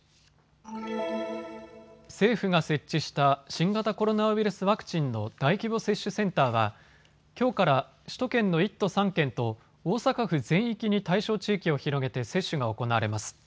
政府が設置した新型コロナウイルスワクチンの大規模接種センターはきょうから首都圏の１都３県と大阪府全域に対象地域を広げて接種が行われます。